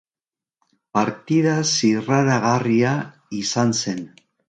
Partida zirraragarria izan zen.